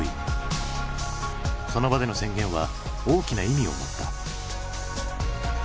その場での宣言は大きな意味を持った。